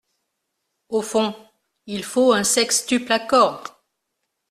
Au fond, il faut un sextuple accord.